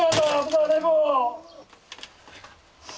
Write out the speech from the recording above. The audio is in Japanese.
誰も！